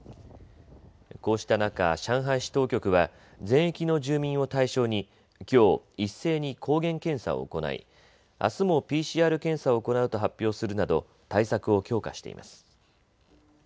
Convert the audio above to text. こうした中、上海市当局は全域の住民を対象にきょう一斉に抗原検査を行いあすもＰＣＲ検査を行うと発表するなど対策を強化しています。